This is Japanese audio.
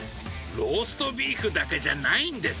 ローストビーフだけじゃないんです。